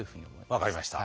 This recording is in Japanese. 分かりました。